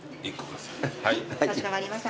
かしこまりました。